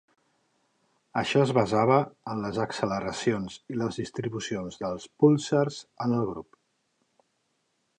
Això es basava en les acceleracions i les distribucions dels púlsars en el grup.